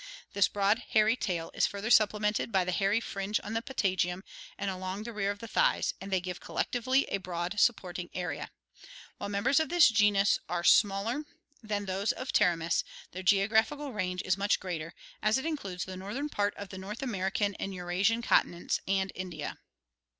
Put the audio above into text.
This broad hairy tail is further supplemented by the hairy fringe on the patagium and along the rear of the thighs, and they give collectively a broad supporting area. While members of this genus are smaller 3^4 ORGANIC EVOLUTION Fig. 89. — Flying squirrel, Sciuropterus voluceUa. (After Lull.) than those of Pteromys, their geographical range is much greater, as it includes the northern part of the North American and Eurasian continents, and India.